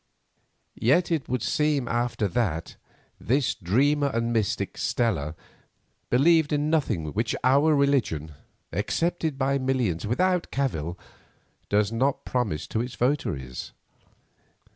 Yet it would seem after all that this "dreamer and mystic" Stella believed in nothing which our religion, accepted by millions without cavil, does not promise to its votaries.